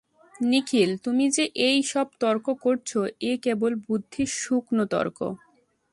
নিখিল, তুমি যে এই-সব তর্ক করছ এ কেবল বুদ্ধির শুকনো তর্ক।